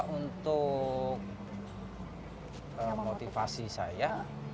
untuk motivasi saya